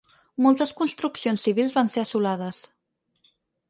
Moltes construccions civils van ser assolades.